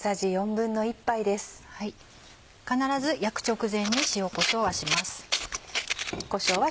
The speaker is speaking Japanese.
必ず焼く直前に塩こしょうはします。